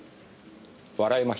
笑いましたね？